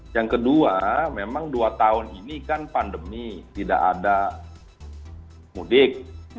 yang kedua memang dua tahun ini kan pandemi tidak ada mudik